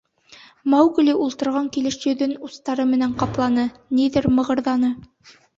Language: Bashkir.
Маугли ултырған килеш йөҙөн устары менән ҡапланы, ниҙер мығырҙаны.